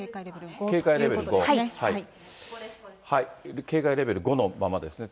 警戒レベル５、警戒レベル５のままですね。